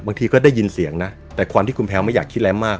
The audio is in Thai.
บางทีก็ได้ยินเสียงนะแต่ความที่คุณแพลวไม่อยากคิดอะไรมาก